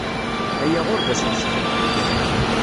Aya ur d asmesxer.